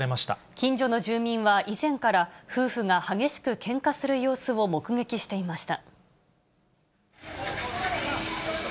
近所の住民は以前から、夫婦が激しくけんかする様子を目撃していました。